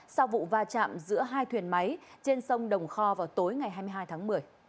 sau vụ va chạm giữa hai thuyền máy trên sông đồng kho vào tối ngày hai mươi hai tháng một mươi